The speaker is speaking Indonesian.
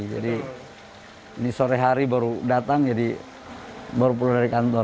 jadi ini sore hari baru datang jadi baru pulang dari kantor